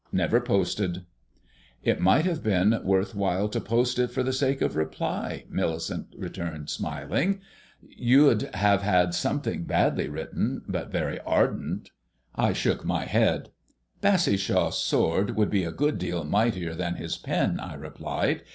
Never posted." "It might have been worth while to post it for the sake of reply," Millicent returned smiling; "you'd have had something badly written, but very ardent." I shook my head. "Bassishaw's sword would be a good deal mightier than his pen," I replied.